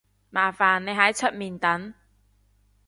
麻煩你喺出面等